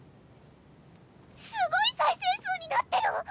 すごい再生数になってる！